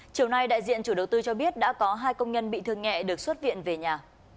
chiều nay đại diện chủ đầu tư cho biết đã có hai công nhân bị thương nhẹ được xuất viện về nhà